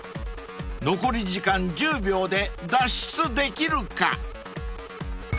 ［残り時間１０秒で脱出できるか？］